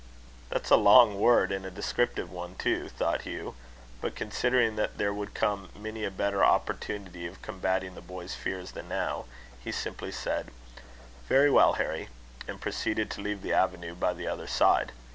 "That's a long word, and a descriptive one too," thought Hugh; but, considering that there would come many a better opportunity of combating the boy's fears than now, he simply said: "Very well, Harry," and proceeded to leave the avenue by the other side.